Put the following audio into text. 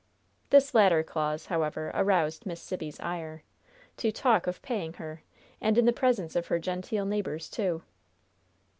This latter clause, however, aroused Miss Sibby's ire. To talk of paying her! And in the presence of her genteel neighbors, too!